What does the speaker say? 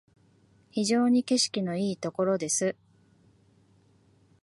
非常に景色のいいところです